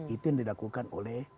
itu yang didakukan oleh